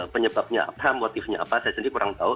penyebabnya apa motifnya apa saya sendiri kurang tahu